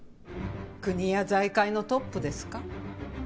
国や財界のトップですか？